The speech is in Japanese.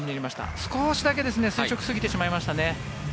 少しだけ垂直すぎてしまいましたね。